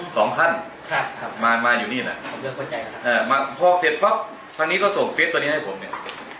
สองขั้นมาอยู่นี่แหละพอเสร็จป๊อบพอนี้เขาส่งเฟสต์ตัวนี้ให้ผมเนี่ย